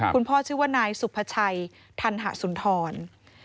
คุณพ่อชื่อว่านายสุภาชัยธรรหสุนทร